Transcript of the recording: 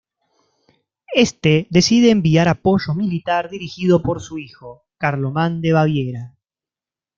Este decide enviar apoyo militar dirigido por su hijo, Carlomán de Baviera.